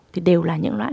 thì đều là những loại